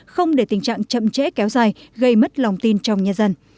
không để tình trạng chậm trễ kéo dài gây mất lòng tin trong nhà dân